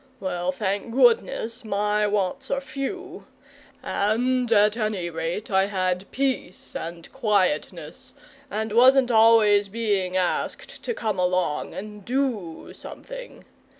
Well, thank goodness, my wants are few, and at any rate I had peace and quietness and wasn't always being asked to come along and DO something.